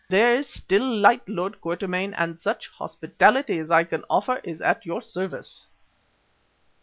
There is still light, Lord Quatermain, and such hospitality as I can offer is at your service."